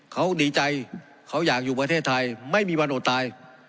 เขาดีใจเขาอยากอยู่ประเทศไทยไม่มีวันอดตาย